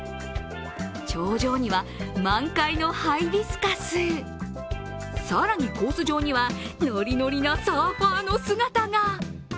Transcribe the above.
頂上には満開のハイビスカス、更に、コース上にはノリノリなサーファーの姿が。